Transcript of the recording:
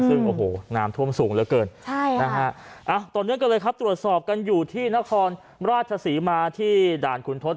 ซึ่งโอ้โหน้ำท่วมสูงเหลือเกินใช่นะฮะต่อเนื่องกันเลยครับตรวจสอบกันอยู่ที่นครราชศรีมาที่ด่านคุณทศ